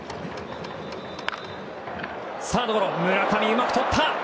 サード、村上うまくとった！